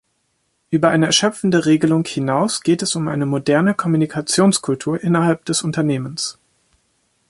Über eine erschöpfende Regelung hinaus geht es um eine moderne Kommunikationskultur innerhalb des Unternehmens.